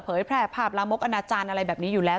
แพร่ภาพลามกอนาจารย์อะไรแบบนี้อยู่แล้ว